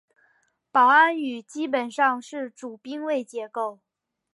保安语基本上是主宾谓结构。